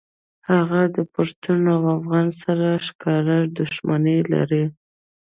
هغه د پښتون او افغان سره ښکاره دښمني لري